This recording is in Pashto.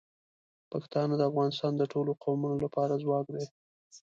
پښتانه د افغانستان د ټولو قومونو لپاره ځواک دي.